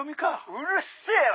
「うるせえわ！」